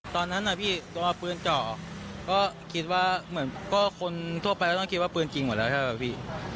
ตอนนั้นอ่ะพี่ตัวปืนจ่อก็คิดถึงว่าก็แบบทูนทั่วไปก็ต้องคิดว่าปืนจริงหมดแล้วใช่ไหมเหรอพี่